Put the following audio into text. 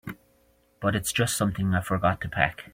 But it's just something I forgot to pack.